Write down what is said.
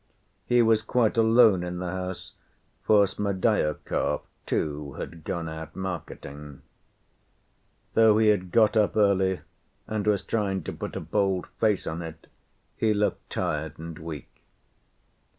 He was quite alone in the house, for Smerdyakov too had gone out marketing. Though he had got up early and was trying to put a bold face on it, he looked tired and weak.